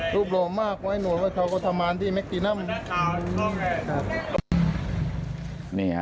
รูปโหลมากเพราะให้หนวดว่าเชากธรรมันที่แมคตีนั้ม